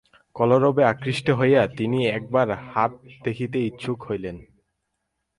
কলরবে আকৃষ্ট হইয়া তিনি একবার হাট দেখিতে ইচ্ছুক হইলেন।